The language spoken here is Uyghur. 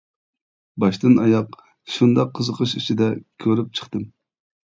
باشتىن-ئاياق شۇنداق قىزىقىش ئىچىدە كۆرۈپ چىقتىم.